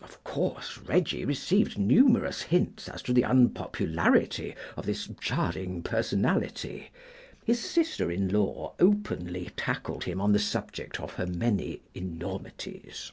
Of course, Reggie received numerous hints as to the unpopularity of this jarring personality. His sister in law openly tackled him on the subject of her many enormities.